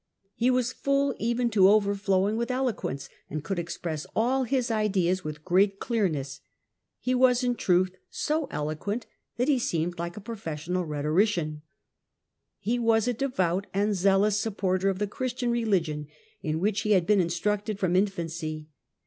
" He was full even to overflowing with eloquence, and could express all his ideas with great clearness. He was in truth so eloquent that he seemed like a pro fessional rhetorician. " He was a devout and zealous supporter of the Christian religion, in which he had been instructed from infancy.